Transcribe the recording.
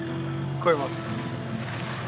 越えます。